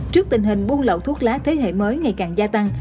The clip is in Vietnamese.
trước tình hình buôn lậu thuốc lá thế hệ mới ngày càng gia tăng